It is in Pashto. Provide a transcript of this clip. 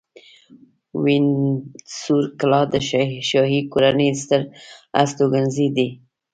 وینډسور کلا د شاهي کورنۍ ستر استوګنځی دی.